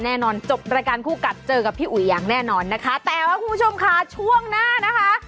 แน่นอนจบรายการคู่กัดเจอกับพี่อุ๋ยอย่างแน่นอนนะคะแต่ว่าคุณผู้ชมค่ะช่วงหน้านะคะ